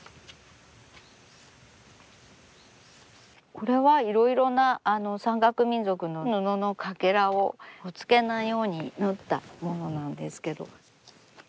これはいろいろな山岳民族の布のかけらをほつけないように縫ったものなんですけど。